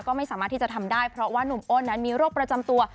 ก็ไม่สามารถที่จะทำได้เพราะว่านุ่มอ้นนั้นมีโรคประจำตัว